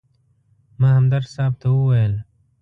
ما همدرد صاحب ته وویل.